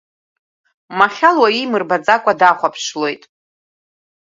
Махьал уаҩы имырбаӡакәа дахәаԥшлоит.